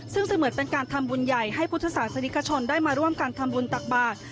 ซึ่งเสมือนเป็นการทำบุญใหญ่ให้พุทธศาสนิกชนได้มาร่วมกันทำบุญตักบาท